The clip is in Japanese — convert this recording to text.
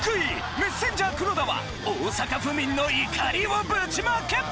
メッセンジャー黒田は大阪府民の怒りをぶちまけ！